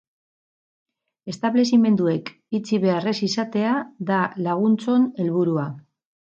Establezimenduek itxi behar ez izatea da laguntzon helburua.